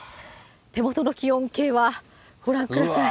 手元の気温計はご覧ください。